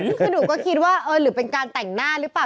คือหนูก็คิดว่าเออหรือเป็นการแต่งหน้าหรือเปล่า